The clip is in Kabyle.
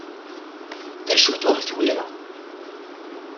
D acu-t uhetwir-a?